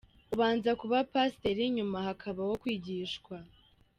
Ubanza kuba Pasiteri nyuma hakabaho kwigishwa.